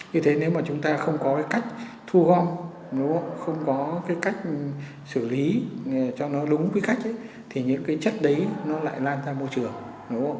như thế nếu mà chúng ta không có cách thu gom không có cách xử lý cho nó đúng quy cách thì những chất đấy lại lan ra môi trường